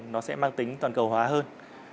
nó sẽ mang tính toàn cầu hóa hơn